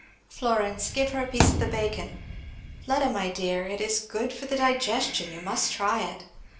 Florence give her a piece of the bacon Fleda my dear, it is good for the digestion you must try it.